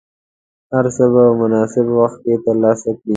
هر څه به په مناسب وخت کې ترلاسه کړې.